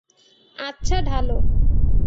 আচ্ছা, ঢালো।